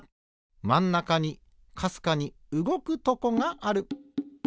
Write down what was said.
まんなかにかすかにうごくとこがある。